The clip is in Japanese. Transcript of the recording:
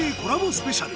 スペシャル